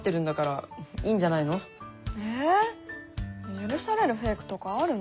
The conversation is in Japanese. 許されるフェイクとかあるの？